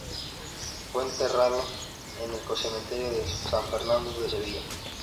Fue enterrado en el Cementerio de San Fernando de Sevilla